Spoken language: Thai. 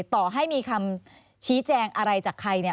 ต่อให้มีคำชี้แจงอะไรจากใครเนี่ย